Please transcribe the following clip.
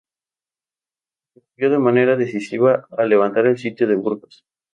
Contribuyó de manera decisiva a levantar el sitio de Burgos.